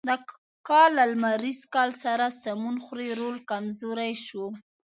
د کال چې له لمریز کال سره سمون خوري رول کمزوری شو.